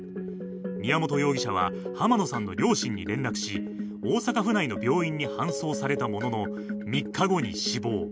宮本容疑者は濱野さんの両親に連絡し、大阪市内の病院に搬送されたものの３日後に死亡。